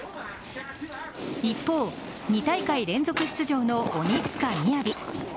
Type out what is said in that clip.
一方、２大会連続出場の鬼塚雅。